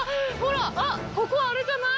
ここあれじゃない？